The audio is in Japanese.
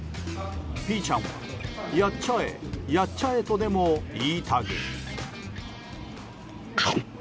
ぴーちゃんはやっちゃえ、やっちゃえとでも言いたげ。